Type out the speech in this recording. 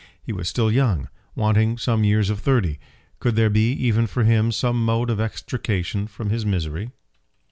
He was still young, wanting some years of thirty. Could there be, even for him, some mode of extrication from his misery?